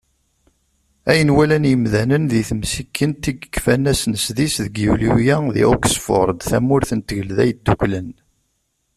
Ayen walan yimdanen deg temsikent i yekfan ass n sḍis deg yulyu-a, di Oxford, tamurt n Tgelda Yedduklen.